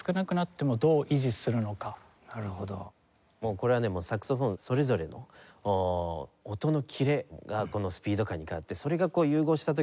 これはねサクソフォンそれぞれの音のキレがこのスピード感に変わってそれが融合した時の躍動感。